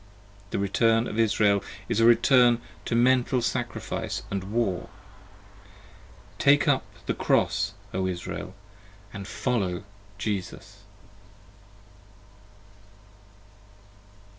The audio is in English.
The Return of Israel is a Return 112 to Mental Sacrifice & War. Take up the Cross, O Israel, & follow Jesus.